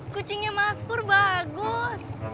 kucingnya maspur bagus